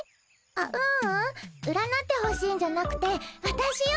あっううん占ってほしいんじゃなくてわたしよ